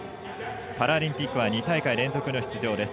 パラリンピックは２大会連続の出場です。